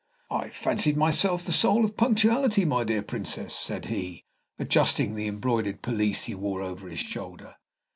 "I fancied myself the soul of punctuality, my dear Princess," said he, adjusting the embroidered pelisse he wore over his shoulder.